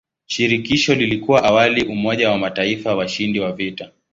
Shirikisho lilikuwa awali umoja wa mataifa washindi wa vita.